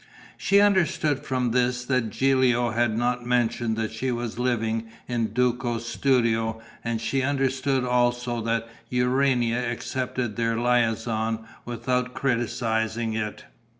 She understood from this that Gilio had not mentioned that she was living in Duco's studio and she understood also that Urania accepted their liaison without criticizing it....